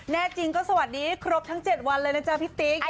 แน่จริงก็สวัสดีครบทั้ง๗วันเลยนะจ๊ะพี่ติ๊ก